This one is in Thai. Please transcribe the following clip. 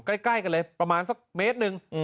ใกล้กันเลยประมาณสักเมตรหนึ่ง